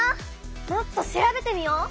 もっと調べてみよう！